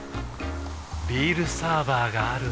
ビールサーバーがある夏。